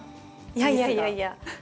いやいやいやいや。